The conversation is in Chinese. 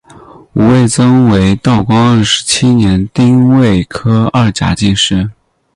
吴慰曾为道光二十七年丁未科二甲进士。